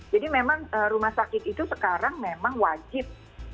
jadi memang rumah sakit itu sekarang memang wajib